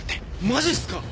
マジっすか！？